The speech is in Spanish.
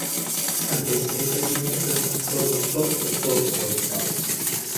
Antes, el presidente fue el Profesor Dr. Dr. h.c.